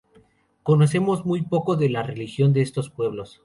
Conocemos muy poco de la religión de estos pueblos.